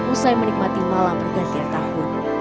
usai menikmati malam pergantian tahun